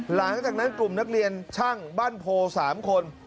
หลังจากนั้นกลุ่มนักเรียนช่างบ้านโพ๓คน